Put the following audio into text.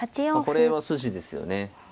これは筋ですよね。